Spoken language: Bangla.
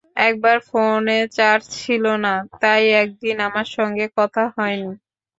একবার ফোনে চার্জ ছিল না, তাই একদিন আমার সঙ্গে কথা হয়নি।